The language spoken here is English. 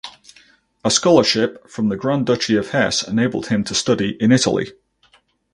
A scholarship from the Grand Duchy of Hesse enabled him to study in Italy.